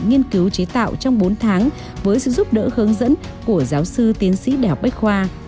nghiên cứu chế tạo trong bốn tháng với sự giúp đỡ hướng dẫn của giáo sư tiến sĩ đèo bách khoa